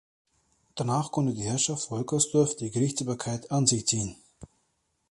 Danach konnte die Herrschaft Wolkersdorf die Gerichtsbarkeit an sich ziehen.